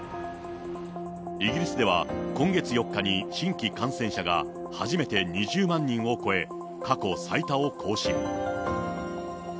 イギリスでは今月４日に新規感染者が初めて２０万人を超え、過去最多を更新。